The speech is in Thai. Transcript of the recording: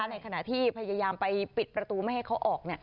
ในขณะที่พยายามไปปิดประตูไม่ให้เขาออก